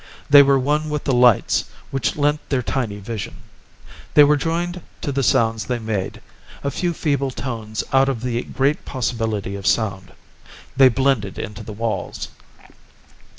They were one with the lights, which lent their tiny vision. They were joined to the sounds they made, a few feeble tones out of the great possibility of sound. They blended into the walls.